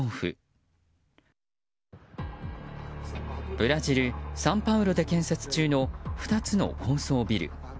ブラジル・サンパウロで建設中の２つの高層ビル。